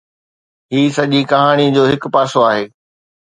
هي سڄي ڪهاڻي جو هڪ پاسو آهي.